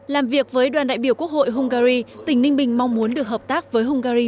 làm việc với đoàn đại biểu quốc hội hungary tỉnh ninh bình mong muốn được hợp tác với hungary